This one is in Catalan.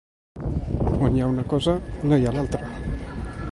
On hi ha una cosa, no hi ha l’altra.